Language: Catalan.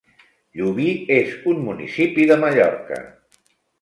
Llubí és un municipi de Mallorca.